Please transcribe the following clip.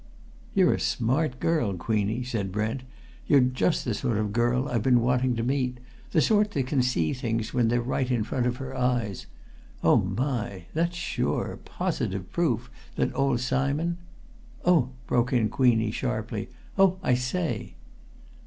"You're a smart girl, Queenie!" said Brent. "You're just the sort of girl I've been wanting to meet the sort that can see things when they're right in front of her eyes. Oh, my! that's sure, positive proof that old Simon " "Oh!" broke in Queenie sharply. "Oh, I say!"